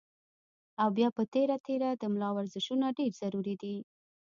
او بيا پۀ تېره تېره د ملا ورزشونه ډېر ضروري دي